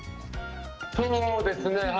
そうですね。